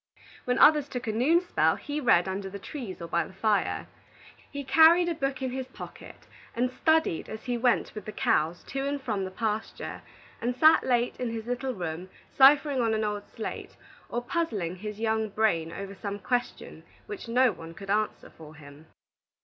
When others took a noon spell, he read under the trees or by the fire. He carried a book in his pocket, and studied as he went with the cows to and from the pasture, and sat late in his little room, ciphering on an old slate, or puzzling his young brain over some question which no one could answer for him.